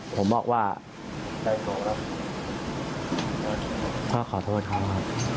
พ่อขอโทษครับ